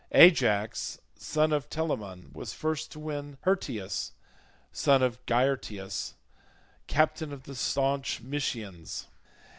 Ajax son of Telamon was first to wound Hyrtius son of Gyrtius, captain of the staunch Mysians.